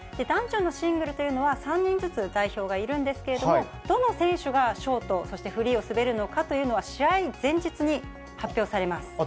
男女のシングルというのは、３人ずつ代表がいるんですけれども、どの選手がショート、そしてフリーを滑るのかというのは、試合前日に発表されます。